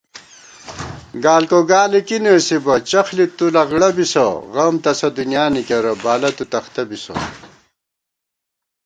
گالگوگالے کی نېسِبہ چخ ݪی تُو لگڑہ بِسہ * غم تسہ دُنیانی کېرہ بالہ تُو تختہ بِسہ